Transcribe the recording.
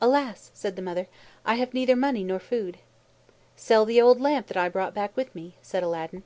"Alas!" said the mother. "I have neither money nor food." "Sell the old lamp that I brought back with me," said Aladdin.